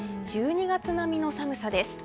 １２月並みの寒さです。